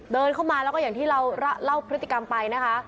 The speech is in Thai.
เดินเข้ามาแล้วก็อย่างที่เราเล่าพฤติกรรมไปนะคะ